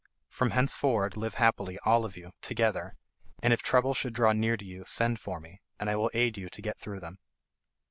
From henceforward live happily, all of you, together, and if troubles should draw near you send for me, and I will aid you to get through them."